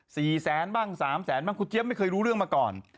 สี่แสนบ้างสามแสนบ้างครูเจี๊ยบไม่เคยรู้เรื่องมาก่อน